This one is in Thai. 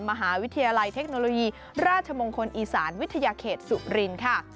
มหาวิทยาลัยเทคโนโลยีราชมงคลอีสานวิทยาเขตสุรินค่ะ